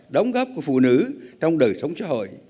đóng góp của phụ nữ trong đời sống xã hội